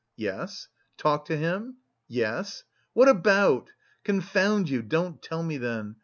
"Yes." "Talked to him?" "Yes." "What about? Confound you, don't tell me then.